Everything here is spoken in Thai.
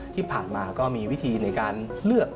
ที่ผ่านมาก็มีวิธีในการเลือก